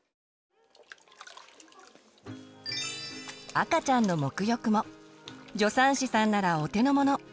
赤ちゃんのもく浴も助産師さんならお手のもの。